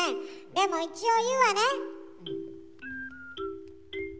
でも一応言うわね。